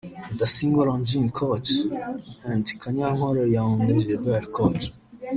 Rudasingwa Longin (Coach) and Kanyankore Yaounde Gilbert (Coach)